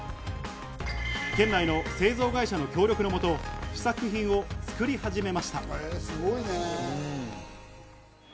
県内の製造会社の協力のもと、試作品を作り始めました。